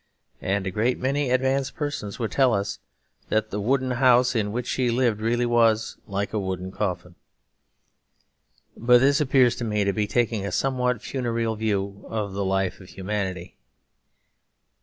And a great many advanced persons would tell us that wooden house in which she lived really was like a wooden coffin. But this appears to me to be taking a somewhat funereal view of the life of humanity.